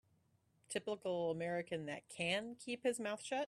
Typical American that can keep his mouth shut.